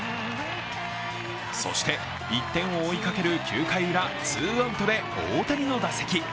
そして、１点を追いかける９回ウラツーアウトで大谷の打席。